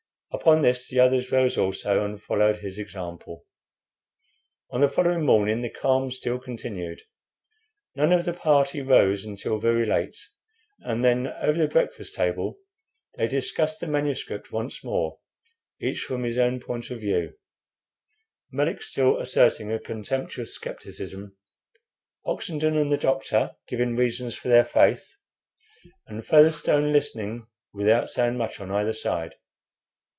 Upon this the others rose also and followed his example. On the following morning the calm still continued. None of the party rose until very late, and then over the breakfast table they discussed the manuscript once more, each from his own point of view, Melick still asserting a contemptuous scepticism Oxenden and the doctor giving reasons for their faith, and Featherstone listening without saying much on either side.